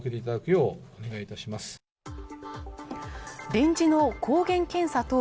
臨時の抗原検査等